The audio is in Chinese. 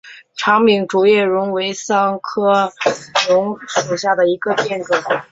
长柄竹叶榕为桑科榕属下的一个变种。